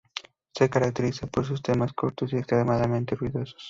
Se caracteriza por sus temas cortos y extremadamente ruidosos.